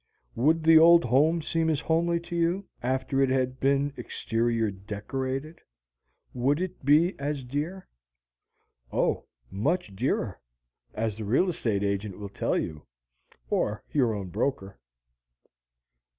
Would the old home seem as homely to you, after it had been exterior decorated? Would it be as dear? Oh, much dearer! as the real estate agent will tell you, or your own broker.